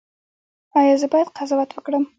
ایا زه باید قضاوت وکړم؟